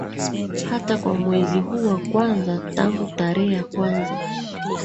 hata kwa mwezi huu wa kwanza tangu tarehe ya kwanza